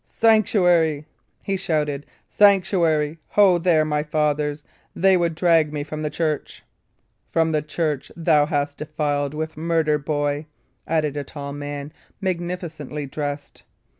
"Sanctuary!" he shouted. "Sanctuary! Ho, there, my fathers! They would drag me from the church!" "From the church thou hast defiled with murder, boy," added a tall man, magnificently dressed.